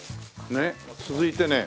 続いてね